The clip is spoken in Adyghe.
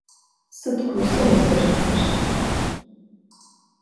Sıd kursa vuzerısır?